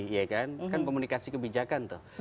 iya kan kan komunikasi kebijakan tuh